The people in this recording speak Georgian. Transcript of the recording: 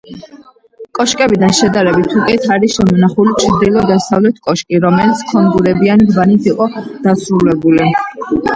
კოშკებიდან შედარებით უკეთ არის შემონახული ჩრდილო-დასავლეთ კოშკი, რომელიც ქონგურებიანი ბანით იყო დასრულებული.